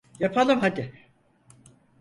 Yapalım hadi.